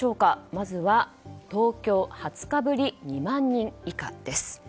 まずは東京２０日ぶり２万以下です。